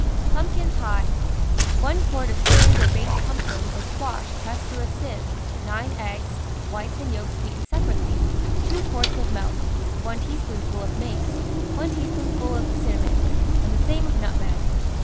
PUMPKIN PIE One quart of steamed or baked pumpkin or squash pressed through a sieve, nine eggs, whites and yolks beaten separately, two quarts of milk, one teaspoonful of mace, one teaspoonful of cin namon, and the same of nutmeg.